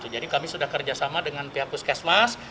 jadi kami sudah kerjasama dengan pihak puskesmas